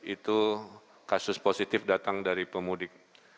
itu kasus positif datang dari pemudik